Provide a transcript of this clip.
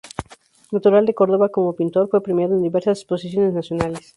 Natural de Córdoba, como pintor fue premiado en diversas exposiciones nacionales.